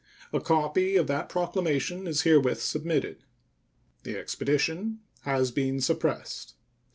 A copy of that proclamation is herewith submitted. The expedition has been suppressed.